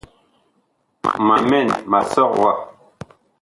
Ma mɛn ma sɔg wa.